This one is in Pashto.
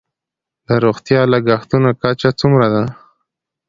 د روغتیايي لګښتونو کچه څومره ده؟